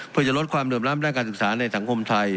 เพื่อจะลดความเริ่มรับในการศึกษาในสังคมไทย